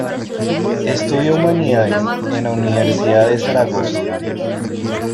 Estudió Humanidades en la Universidad de Zaragoza.